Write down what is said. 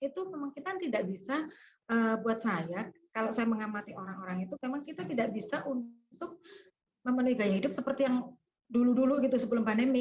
itu memang kita tidak bisa buat saya kalau saya mengamati orang orang itu memang kita tidak bisa untuk memenuhi gaya hidup seperti yang dulu dulu gitu sebelum pandemi